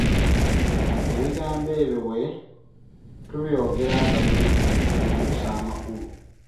Ebigambo ebyo bwe tubyogera nga tubiddingana, bikyusa amakulu.